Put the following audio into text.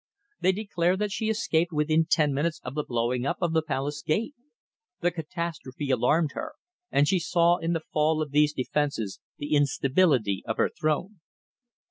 They declare that she escaped within ten minutes of the blowing up of the palace gate. The catastrophe alarmed her, and she saw in the fall of these defences the instability of her throne."